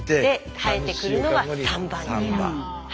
生えてくるのが３番ニラ。